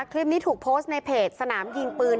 คลิปนี้ถูกโพสต์ในเพจสนามยิงปืน